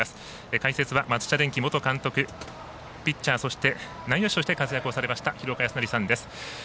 解説は松下電器元監督そして、内野手として活躍されました廣岡資生さんです。